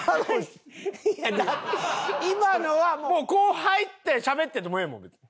今のはこう入ってしゃべっててもええもん別に。